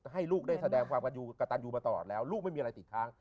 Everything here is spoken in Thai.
ให้ลูกได้แสดงความกระตันยูมาตลอดแล้วลูกไม่มีอะไรติดค้าง